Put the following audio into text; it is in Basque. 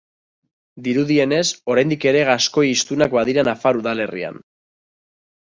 Dirudienez, oraindik ere gaskoi hiztunak badira nafar udalerrian.